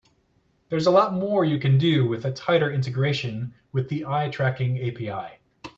There's a lot more you can do with a tighter integration with the eye tracking API.